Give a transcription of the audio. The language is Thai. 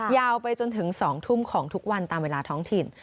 ยาวไปจนถึง๒ทุ่มของทุกวันตามเวลาท้องถิ่น